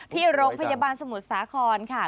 ที่โรงพยาบาลสมุทรสาครค่ะ